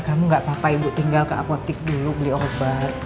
kamu gak apa apa ibu tinggal ke apotik dulu beli obat